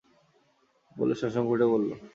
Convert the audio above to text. বলে শশাঙ্ক উঠে পড়ল।